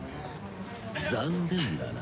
残念だな。